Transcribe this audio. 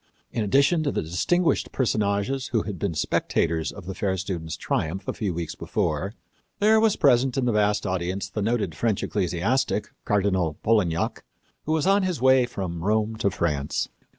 In addition to the distinguished personages who had been spectators of the fair student's triumph a few weeks before, there was present in the vast audience the noted French ecclesiastic, Cardinal Polignac, who was on his way from Rome to France.